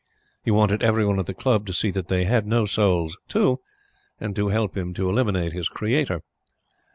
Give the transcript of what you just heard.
He wanted every one at the Club to see that they had no souls too, and to help him to eliminate his Creator.